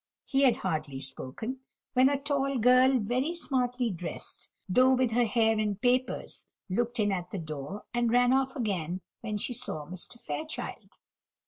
He had hardly spoken, when a tall girl, very smartly dressed, though with her hair in papers, looked in at the door, and ran off again when she saw Mr. Fairchild.